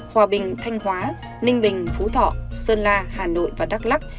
hòa bình thanh hóa ninh bình phú thọ sơn la hà nội và đắk lắc